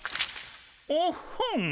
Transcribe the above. おっほん！